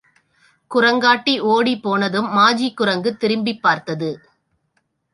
குரங்காட்டி ஓடிப்போனதும் மாஜி குரங்கு திரும்பி பார்த்தது.